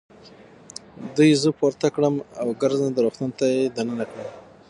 دوی زه پورته کړم او ګرځنده روغتون ته يې دننه کړم.